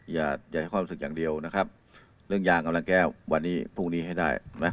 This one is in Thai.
อย่าให้ความรู้สึกอย่างเดียวนะครับเรื่องยางกำลังแก้ววันนี้พรุ่งนี้ให้ได้นะ